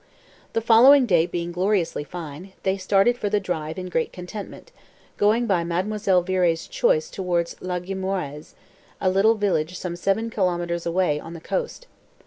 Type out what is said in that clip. The following day being gloriously fine, they started for the drive in great contentment, going by Mademoiselle Viré's choice towards La Guimorais, a little village some seven kilometres away on the coast.